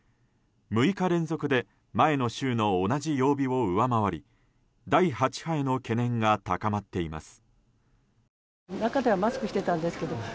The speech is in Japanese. ６日連続で前の週の同じ曜日を上回り第８波への懸念が高まっています。